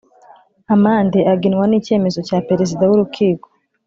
Amande agenwa n’icyemezo cya perezida w’urukiko